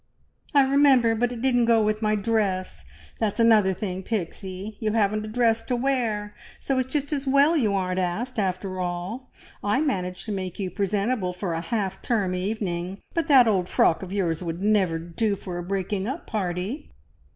"I remember, but it didn't go with my dress. That's another thing, Pixie you haven't a dress to wear, so it's just as well you aren't asked, after all! I managed to make you presentable for a half term evening, but that old frock of yours would never do for a breaking up party."